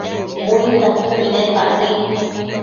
buintadquiobi nepac nëid